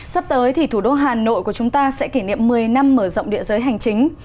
sắp tới thì thủ đô hà nội của chúng ta sẽ kỷ niệm một mươi năm mở rộng địa giới hành chính